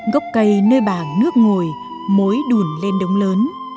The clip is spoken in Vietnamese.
gốc cây nơi bảng nước ngồi mối đùn lên đống lớn